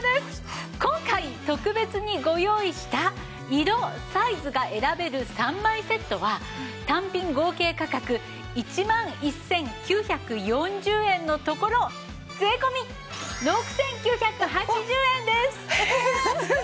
今回特別にご用意した色サイズが選べる３枚セットは単品合計価格１万１９４０円のところ税込６９８０円です！